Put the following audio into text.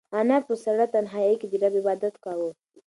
انا په سړه تنهایۍ کې د رب عبادت کاوه.